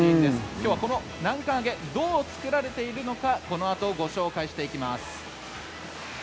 今日はこの南関あげどうやって作られているのかこのあとご紹介していきます。